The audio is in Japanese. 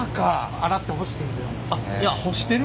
洗って干している。